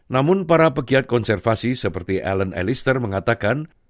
namun para pegiat konservasi seperti allen alistair mengatakan